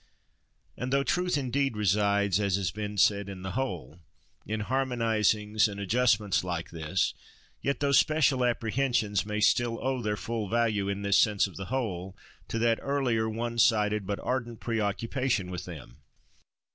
And though truth indeed, resides, as has been said, "in the whole"—in harmonisings and adjustments like this—yet those special apprehensions may still owe their full value, in this sense of "the whole," to that earlier, one sided but ardent pre occupation with them.